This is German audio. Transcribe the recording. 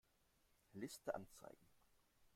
Liste anzeigen.